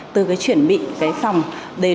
từ cái chuyển bị cái phòng đến chuyển